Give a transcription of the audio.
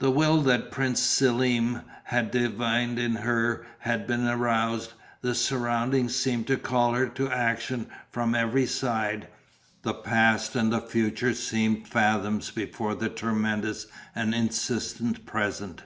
The will that Prince Selm had divined in her had been aroused; the surroundings seemed to call her to action from every side; the past and the future seemed phantoms before the tremendous and insistent present.